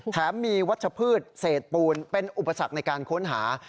แถมมีวัชพืชเศษปูนเป็นอุปสรรคในการค้นหา